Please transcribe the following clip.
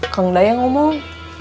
kan udah yang ngomong